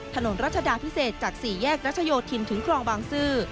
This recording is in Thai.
รัชดาพิเศษจาก๔แยกรัชโยธินถึงคลองบางซื่อ